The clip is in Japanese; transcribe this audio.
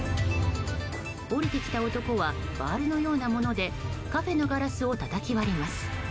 降りてきた男はバールのようなものでカフェのガラスをたたき割ります。